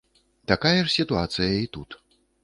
Тая ж сітуацыя і тут.